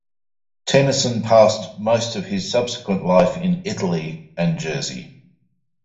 Tennyson passed most of his subsequent life in Italy and Jersey.